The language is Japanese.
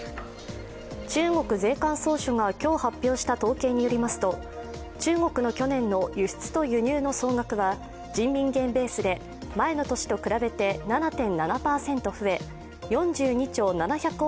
中国税関総署が今日発表した統計によりますと中国の去年の輸出と輸入の総額は人民元ベースで前の年と比べて７．７％増え４２兆７００億